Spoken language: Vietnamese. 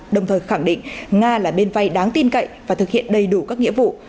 đồng thời khẳng định nga là bên vay đáng tin cậy và thực hiện đầy đủ các nghĩa vụ